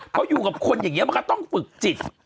เขาอยู่กับคนอย่างนี้มันก็ต้องฝึกจิต